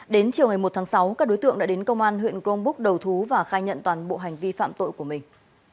đến chiều ngày một tháng sáu các đối tượng đã đến công an huyện grongbuk đầu thú và khai nhận toàn bộ hành vi phạm tội của mình